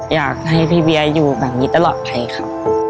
อยากให้พี่เวียอยู่แบบนี้ตลอดไปครับ